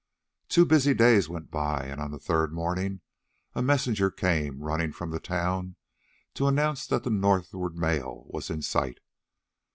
Two busy days went by, and on the third morning a messenger came running from the town to announce that the northward mail was in sight.